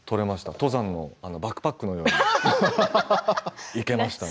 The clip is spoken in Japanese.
登山のバックパックのようでしたね。